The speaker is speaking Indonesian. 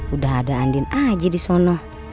udah ada andin aja disono